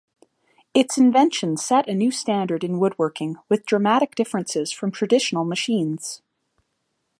Its invention set a new standard in woodworking, with dramatic differences from traditional machines.